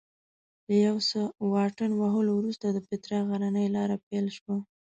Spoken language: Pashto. له یو څه واټن وهلو وروسته د پیترا غرنۍ لاره پیل شوه.